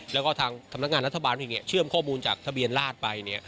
แล้วก็ทางสำนักงานรัฐบาลเชื่อมข้อมูลจากทะเบียนราชไป